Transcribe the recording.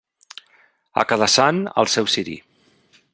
A cada sant, el seu ciri.